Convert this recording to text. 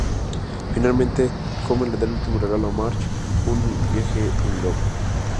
Finalmente, Homer le da el último regalo a Marge; un viaje en globo.